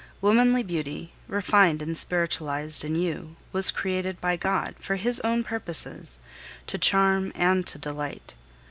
Womanly beauty, refined and spiritualized in you, was created by God, for His own purposes, to charm and to delight.